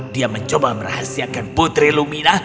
dia mencoba merahasiakan putri lumina